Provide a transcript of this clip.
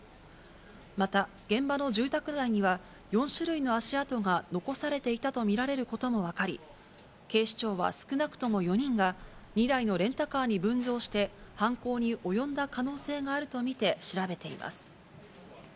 また、現場の住宅内には４種類の足跡が残されていたと見られることも分かり、警視庁は少なくとも４人が２台のレンタカーに分乗して犯行に及んだ可能性があると見て調べています。